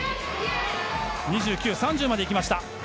３０までいきました。